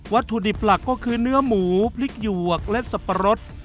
ถุดิบหลักก็คือเนื้อหมูพริกหยวกและสับปะรด